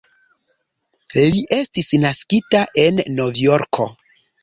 Li estis naskita en Novjorko.